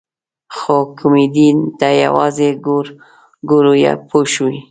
خو کمیډۍ ته یوازې ګورو پوه شوې!.